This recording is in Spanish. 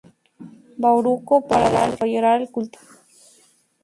Bahoruco para desarrollar el cultivo.